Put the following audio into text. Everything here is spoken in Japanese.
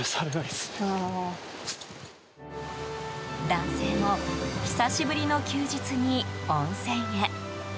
男性も久しぶりの休日に温泉へ。